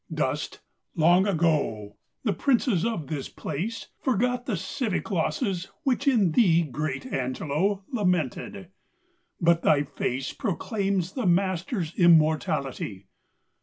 Dust, long ago, the princes of this place ; Forgot the civic losses which in thee Great Angelo lamented ; but thy face Proclaims the master's immortality!